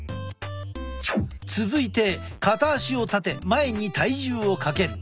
続いて片足を立て前に体重をかける。